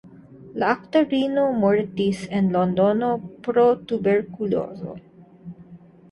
La aktorino mortis en Londono pro tuberkulozo.